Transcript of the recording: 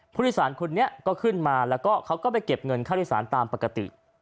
ผู้โดยสารคนนี้ก็ขึ้นมาแล้วก็เขาก็ไปเก็บเงินค่าโดยสารตามปกติ